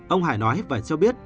ông hải nói và cho biết